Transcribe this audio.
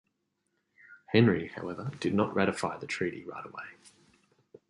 Henry, however, did not ratify the treaty right away.